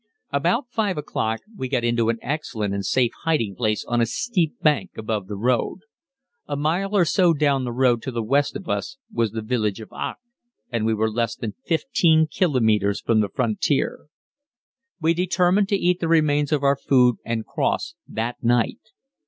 About 5 o'clock we got into an excellent and safe hiding place on a steep bank above the road. A mile or so down the road to the west of us was the village of Aach, and we were less than 15 kilometres from the frontier. We determined to eat the remains of our food and cross that night.